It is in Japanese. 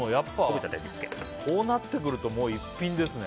こうなってくると一品ですね。